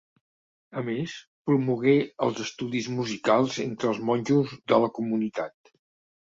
A més, promogué els estudis musicals entre els monjos de la comunitat.